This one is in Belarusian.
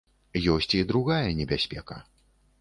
Ёсць і другая небяспека.